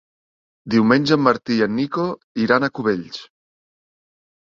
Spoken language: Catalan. Diumenge en Martí i en Nico iran a Cubells.